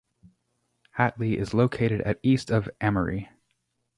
Hatley is located at east of Amory.